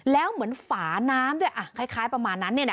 แล้วเหมือนฝาน้ำด้วยอะคล้ายคล้ายประมาณนั้นนี่นะ